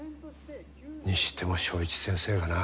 にしても正一先生がな。